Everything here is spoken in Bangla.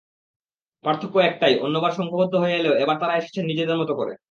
পার্থক্য একটাই, অন্যবার সংঘবদ্ধ হয়ে এলেও এবার তাঁরা এসেছেন নিজেদের মতো করে।